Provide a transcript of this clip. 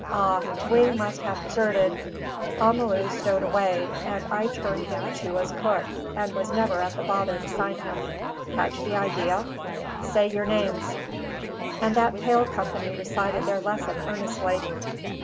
Ah Wing must have deserted; Amalu stowed away; and I turned him to as cook, and was never at the bother to sign him. Catch the idea? Say your names." And that pale company recited their lesson earnestly.